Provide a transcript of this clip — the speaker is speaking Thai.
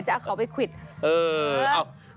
ไม่ใช่มันเขียงมันเขามันจะเอาเขาไปควิจ